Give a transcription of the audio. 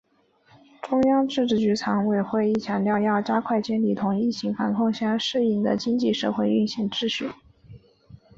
中央政治局常委会会议强调要加快建立同疫情防控相适应的经济社会运行秩序